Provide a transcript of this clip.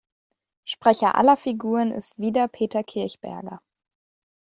Sprecher aller Figuren ist wieder Peter Kirchberger.